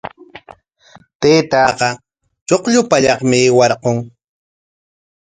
Taytaaqa chuqllu pallaqmi aywarqun.